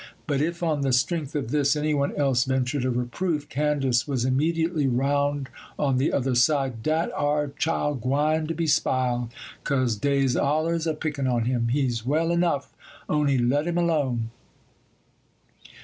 But if, on the strength of this, any one else ventured a reproof, Candace was immediately round on the other side: 'Dat ar chile gwin' to be spiled, 'cause dey's allers a'pickin' on him; he's well enough on'y let him alone.